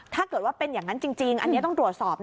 ถ้าเกิดว่าเป็นอย่างนั้นจริง